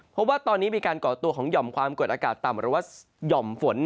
เพราะว่าตอนนี้มีการก่อตัวของหย่อมความกดอากาศต่ำหรือว่าหย่อมฝน